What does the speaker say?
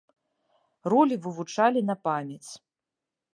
Ролі вывучылі на памяць.